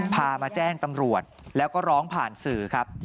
พามาแจ้งตำรวจแล้วก็ร้องผ่านสื่อครับ